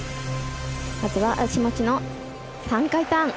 まずは足持ちの３回ターン。